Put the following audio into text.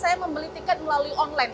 saya membeli tiket melalui online